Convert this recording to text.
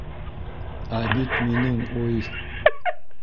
Ә бит... минең... у-й-й!